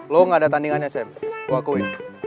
lo gak ada tandingannya sam gue akuin